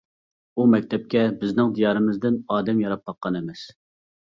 ئۇ مەكتەپكە بىزنىڭ دىيارىمىزدىن ئادەم ياراپ باققان ئەمەس.